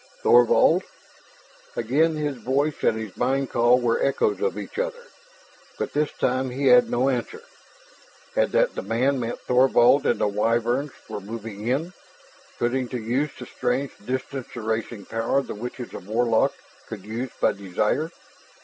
"Thorvald " Again his voice and his mind call were echoes of each other. But this time he had no answer. Had that demand meant Thorvald and the Wyverns were moving in, putting to use the strange distance erasing power the witches of Warlock could use by desire?